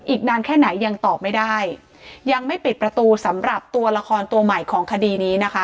อีกนานแค่ไหนยังตอบไม่ได้ยังไม่ปิดประตูสำหรับตัวละครตัวใหม่ของคดีนี้นะคะ